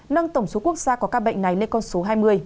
nâng tổng số quốc gia có ca bệnh này lên con số hai mươi